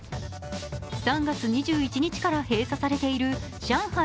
３月２１日から閉鎖されている上海